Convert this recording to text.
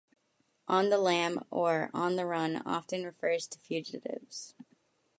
"On the lam" or "on the run" often refers to fugitives.